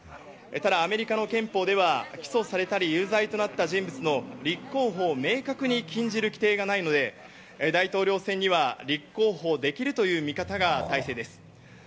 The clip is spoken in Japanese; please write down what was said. ただアメリカの憲法では起訴されたり有罪となった人物の立候補を明確に禁じる規定がないので、大統領選には立候補できるという見方が大勢です。